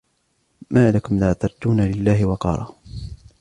مَا لَكُمْ لَا تَرْجُونَ لِلَّهِ وَقَارًا